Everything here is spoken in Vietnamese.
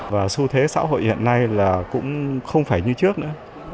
và xu thế xã hội hiện nay là cũng không phải như trước nữa